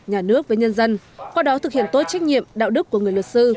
nhà nước với nhân dân qua đó thực hiện tốt trách nhiệm đạo đức của người luật sư